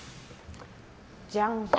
じゃん、×。